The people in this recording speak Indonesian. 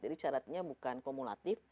jadi syaratnya bukan kumulatif